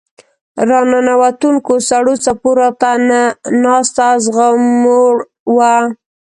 راننوتونکو سړو څپو راته نه ناسته زغموړ وه.